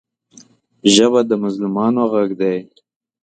ژبه د مظلومانو غږ دی